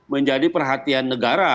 menjadi perhatian negara